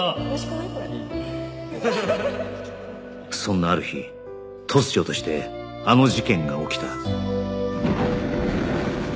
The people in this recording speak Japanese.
そんなある日突如としてあの事件が起きた